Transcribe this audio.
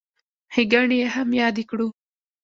ښېګڼې یې هم یادې کړو.